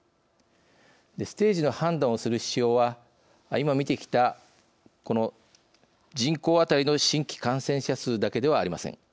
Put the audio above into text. ステージの判断をする指標は今、見てきたこの人口あたりの新規感染者数だけではありません。